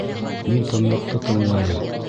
Мин тынлыҡты тыңлайым.